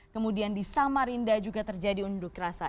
kemudian di samarinda juga terjadi unduk rasa